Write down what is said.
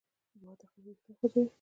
باد د خلکو وېښتان خوځوي